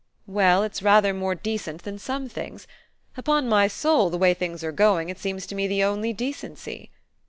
"Well, it's rather more decent than some things. Upon my soul, the way things are going, it seems to me the only decency!"